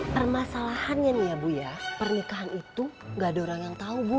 permasalahannya nih ya bu ya pernikahan itu gak ada orang yang tahu bu